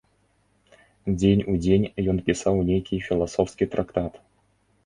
Дзень у дзень ён пісаў нейкі філасофскі трактат.